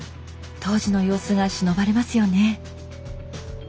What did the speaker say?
当時の様子がしのばれますよね。